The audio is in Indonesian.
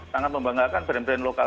sangat membanggakan brand brand lokal